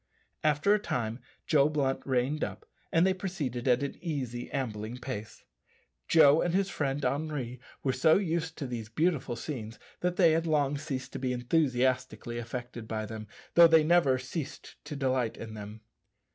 After a time Joe Blunt reined up, and they proceeded at an easy ambling pace. Joe and his friend Henri were so used to these beautiful scenes that they had long ceased to be enthusiastically affected by them, though they never ceased to delight in them.